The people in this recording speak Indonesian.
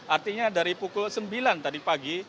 artinya dari pukul sembilan tadi pagi